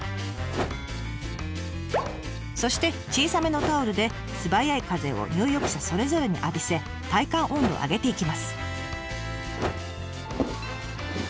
そして小さめのタオルで素早い風を入浴者それぞれに浴びせ体感温度を上げていきます。